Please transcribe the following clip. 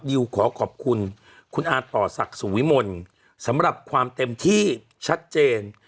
ดิวขอขอบคุณคุณอาต่อศักดิ์สุวิมลสำหรับความเต็มที่ชัดเจน